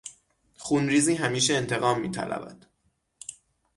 خونریزی همیشه انتقام میطلبد.